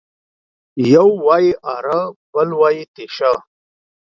يو وايي اره ، بل وايي تېشه.